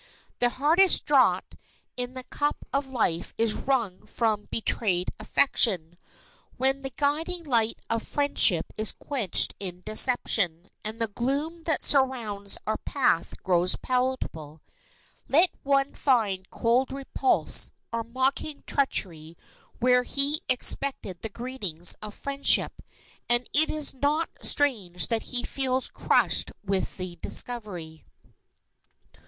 The hardest draught in the cup of life is wrung from betrayed affection, when the guiding light of friendship is quenched in deception, and the gloom that surrounds our path grows palpable. Let one find cold repulse or mocking treachery where he expected the greeting of friendship, and it is not strange that he feels crushed with the discovery.